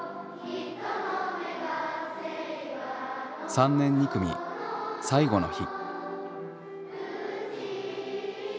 ３年２組最後の日。